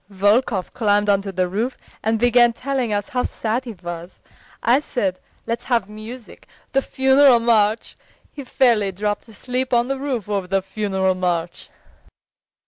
"Volkov climbed onto the roof and began telling us how sad he was. I said: 'Let's have music, the funeral march!' He fairly dropped asleep on the roof over the funeral march."